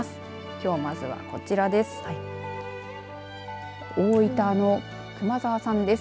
きょう、まずはこちらです。